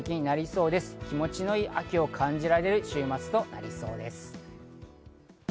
気持ちの良い空気を感じられる週末になりそうです。